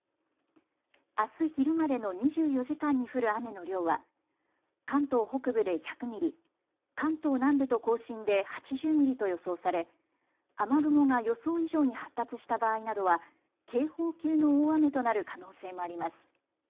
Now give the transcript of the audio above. あす昼までの２４時間に降る雨の量は関東北部で１００ミリ、関東南部と甲信で８０ミリと予想され雨雲が予想以上に発達した場合などは警報級の大雨となる可能性もあります。